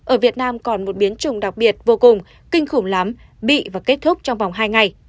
ở việt nam còn một biến chủng đặc biệt vô cùng kinh khủng lắm bị và kết thúc trong vòng hai ngày